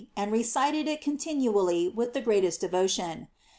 698 Mary," aud recited it continually with the great est devotion.